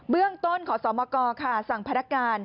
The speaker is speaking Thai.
เบื้องต้นขอสอบมกค่ะ